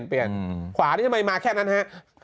ขวานี่ทำไมมาแค่นั้นฮะ